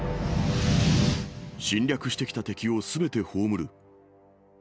侵略してきた敵をすべて葬る。